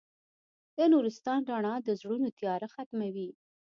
د نورستان رڼا د زړونو تیاره ختموي.